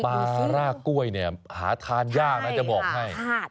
ซาร่ากล้วยเนี่ยหาทานยากนะจะบอกให้